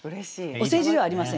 お世辞ではありません。